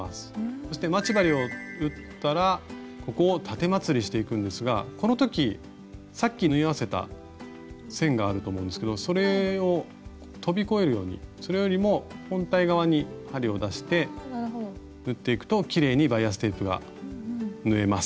そして待ち針を打ったらここをたてまつりしていくんですがこの時さっき縫い合わせた線があると思うんですけどそれを飛び越えるようにそれよりも本体側に針を出して縫っていくときれいにバイアステープが縫えます。